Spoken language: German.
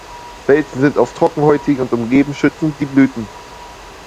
Spelzen sind meist trockenhäutig und umgeben schützend die Blüten.